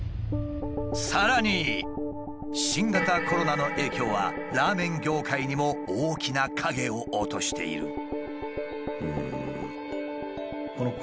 さらに新型コロナの影響はラーメン業界にも大きな影を落としている。